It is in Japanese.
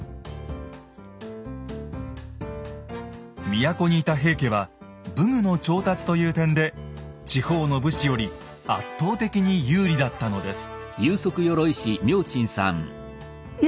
都にいた平家は武具の調達という点で地方の武士より圧倒的に有利だったのです。